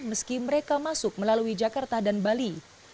meski mereka masuk melalui jakarta dan bali